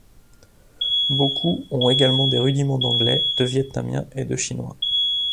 Beaucoup ont également des rudiments d’anglais, de vietnamien et de chinois.